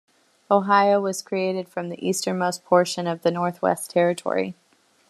Ohio was created from the easternmost portion of the Northwest Territory.